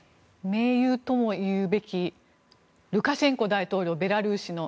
盟友ともいうべきルカシェンコ大統領ベラルーシの。